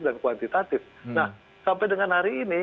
kuantitatif nah sampai dengan hari ini